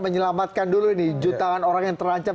menyelamatkan dulu nih jutaan orang yang terancam